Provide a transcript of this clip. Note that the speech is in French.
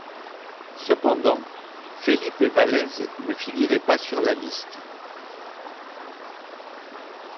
Cependant, Felipe Vallese ne figurait pas sur la liste.